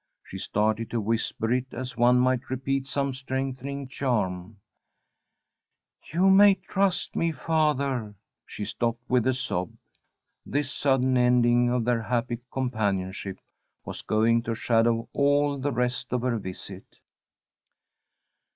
She started to whisper it as one might repeat some strengthening charm: "You may trust me, fathah " She stopped with a sob. This sudden ending of their happy companionship was going to shadow all the rest of her visit.